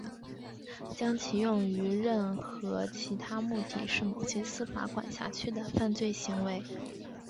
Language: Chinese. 将其用于任何其他目的是某些司法管辖区的犯罪行为。